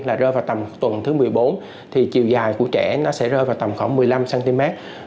là rơi vào tầm tuần thứ một mươi bốn thì chiều dài của trẻ nó sẽ rơi vào tầm khoảng một mươi năm cm